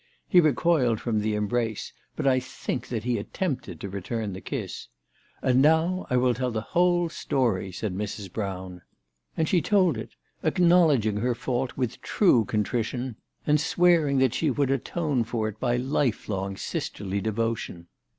He recoiled from the embrace, but I think that he attempted to return the kiss. " And now I will tell the whole story," said Mrs. Brown. And she told it, acknowledging her fault with true contrition, 260 CHRISTMAS AT THOMPSON HALL. and swearing that she would atone for it by life long sisterly devotion.